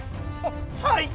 はい。